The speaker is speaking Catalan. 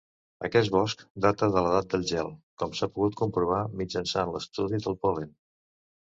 Aquest bosc data de l'edat del gel, com s'ha pogut comprovar mitjançant l'estudi del pol·len.